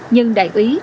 nhưng đại ý